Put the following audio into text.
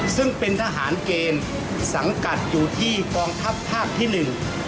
ซึ่งเป็นทหารเกณฑ์สังกัดอยู่ที่กองทัพภาคที่หนึ่ง